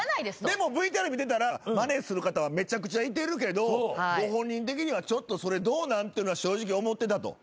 でもＶＴＲ見てたらマネする方はめちゃくちゃいてるけどご本人的にはちょっとそれどうなん？っていうのは正直思ってたと。